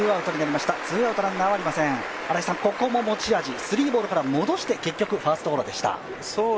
ここも持ち味、スリーボールから戻して結局ファーストゴロでした。